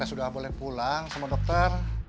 sudah boleh pulang sama dokter